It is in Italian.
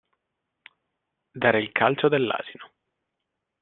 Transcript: Dare il calcio dell'asino.